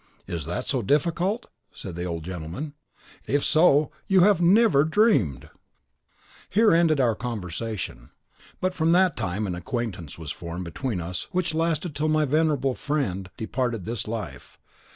"Is that so difficult?" said the old gentleman; "if so, you have never dreamed!" Here ended our conversation; but from that time an acquaintance was formed between us which lasted till my venerable friend departed this life.